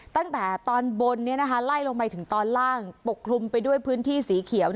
ตั้งแต่ตอนบนไล่ลงไปถึงตอนล่างปกคลุมไปด้วยพื้นที่สีเขียว